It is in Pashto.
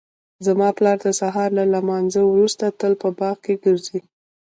زما پلار د سهار له لمانځه وروسته تل په باغ کې ګرځي